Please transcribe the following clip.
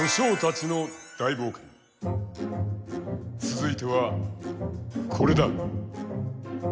続いてはこれだ。